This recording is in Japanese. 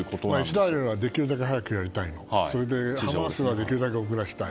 イスラエルはできるだけ早くやりたいけどハマスはできるだけ遅らせたい。